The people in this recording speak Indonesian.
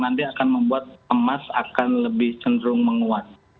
nanti akan membuat emas akan lebih cenderung menguat